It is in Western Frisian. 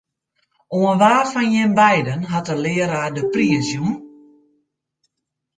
Oan wa fan jim beiden hat de learaar de priis jûn?